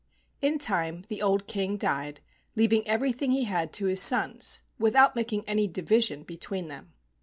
In time the old King died, leaving every¬ thing he had to his sons without making any division between them.